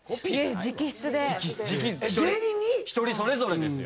一人それぞれですよ。